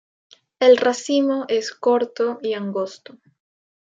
El racimo es corto y angosto.